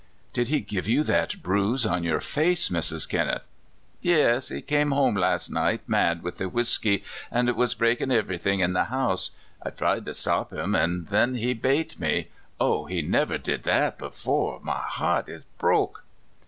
*' Did he give you that bruise on your face, Mrs. Kinneth?" j • i u '* Yis. He came home last night mad with the whisky, and was breakin' ivery thing in the house. I tried to stop him, an' thin he bate me— O I he never did that before I My heart is broke